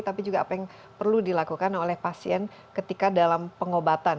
tapi juga apa yang perlu dilakukan oleh pasien ketika dalam pengobatan